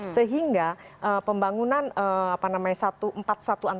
sehingga pembangunan apa namanya empat puluh satu antara tni